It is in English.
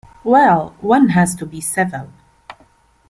Well, one has to be civil.